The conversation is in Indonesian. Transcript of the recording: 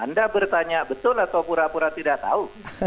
anda bertanya betul atau pura pura tidak tahu